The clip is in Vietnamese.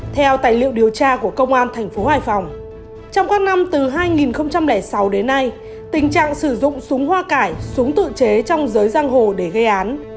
theo tài liệu điều tra của công an thành phố hải phòng trong các năm từ hai nghìn sáu đến nay tình trạng sử dụng súng hoa cải súng tự chế trong giới giang hồ để gây án